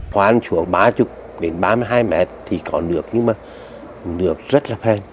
khoảng xuống ba mươi ba mươi hai m thì có nước nhưng mà nước rất là phèn